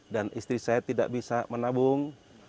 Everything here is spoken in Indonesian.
dan istri saya tidak bisa menabung